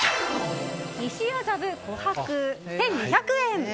西麻布琥珀、１２００円。